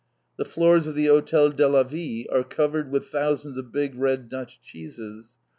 The floors of the Hotel de la Ville are covered with thousands of big red Dutch cheeses.